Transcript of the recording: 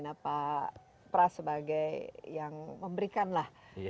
napa pras sebagai yang memberikan lah